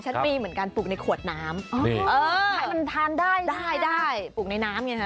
ฉันมีเหมือนกันปลูกในขวดน้ำให้มันทานได้ได้ปลูกในน้ำไงฮะ